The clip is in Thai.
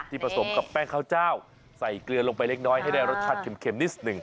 ผสมกับแป้งข้าวเจ้าใส่เกลือลงไปเล็กน้อยให้ได้รสชาติเข็มนิดหนึ่ง